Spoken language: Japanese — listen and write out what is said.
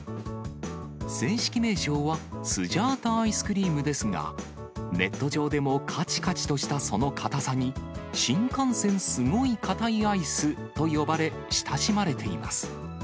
正式名称はスジャータアイスクリームですが、ネット上でもかちかちとしたその硬さに、シンカンセンスゴイカタイアイスと呼ばれ、親しまれています。